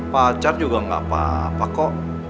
pacar juga nggak apa apa kok